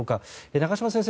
中島先生